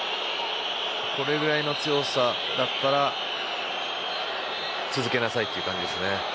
これぐらいの強さだったら続けなさいという感じですね。